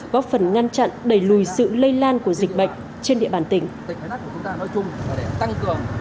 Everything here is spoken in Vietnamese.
góp phần ngăn chặn đẩy lùi sự lây lan của dịch bệnh trên địa bàn tỉnh